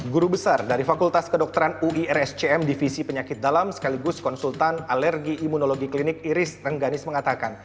guru besar dari fakultas kedokteran uirscm divisi penyakit dalam sekaligus konsultan alergi imunologi klinik iris rengganis mengatakan